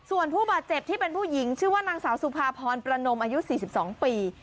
ส่วนผู้บาดเจ็บที่เป็นผู้หญิงชื่อว่านางสาวสุภาพรประนมอายุ๔๒ปี